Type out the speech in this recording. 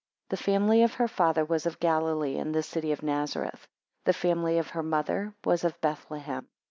The family of her father was of Galilee and the city of Nazareth. The family of her mother was of Bethlehem.